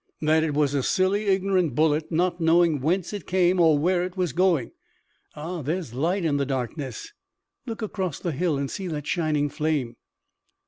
"That it was a silly, ignorant bullet not knowing whence it came, or where it was going. Ah, there's light in the darkness! Look across the hill and see that shining flame!"